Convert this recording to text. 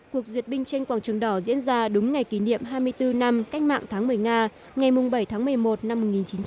cuộc duyệt binh tranh quảng trường đỏ diễn ra đúng ngày kỷ niệm hai mươi bốn năm cách mạng tháng một mươi nga ngày bảy tháng một mươi một năm một nghìn chín trăm bốn mươi năm